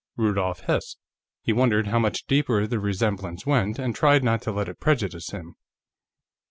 Rudolf Hess. He wondered how much deeper the resemblance went, and tried not to let it prejudice him.